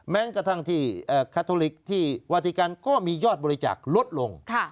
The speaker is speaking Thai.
แม้กระทั่งที่คาทอลิกที่วาติกันก็มียอดบริจาคลดลง